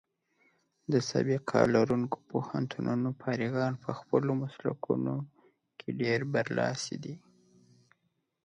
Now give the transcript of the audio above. د سابقه لرونکو پوهنتونونو فارغان په خپلو مسلکونو کې ډېر برلاسي دي.